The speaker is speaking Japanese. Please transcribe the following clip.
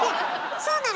そうなの！